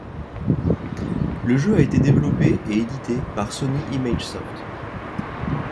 Le jeu a été développé et édité par Sony Imagesoft.